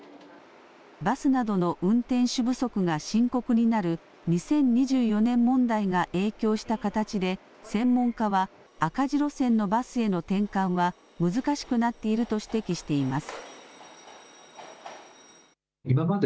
バスなどの運転手不足が深刻になる２０２４年問題が影響した形で、専門家は赤字路線のバスへの転換は難しくなっていると指摘しています。